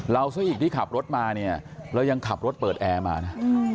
ซะอีกที่ขับรถมาเนี่ยเรายังขับรถเปิดแอร์มานะ